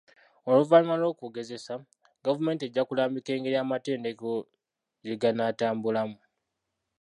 Oluvanyuma lw'okugezesa gavumenti ejja kulambika engeri amatendekero gye ganaatambulamu.